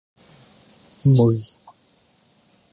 موږي.